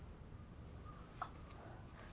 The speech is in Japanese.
あっ！